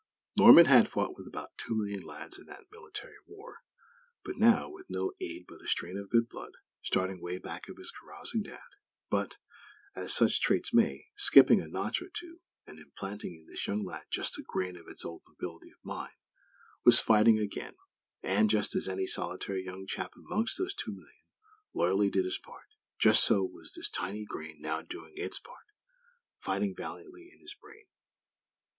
_ Norman had fought with about two million lads in that military war; but now, with no aid but a strain of good blood, starting way back of his carousing Dad (but, as such traits may, skipping a notch or two, and implanting in this young lad just a grain of its old nobility of mind), was fighting again; and, just as any solitary young chap amongst that two million loyally did his part, just so was this tiny grain now doing its part; fighting valiantly in his brain.